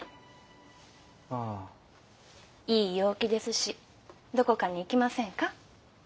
いい陽気ですしどこかに行きませんか？